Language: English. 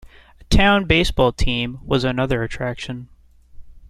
A town baseball team was another attraction.